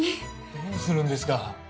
どうするんですか？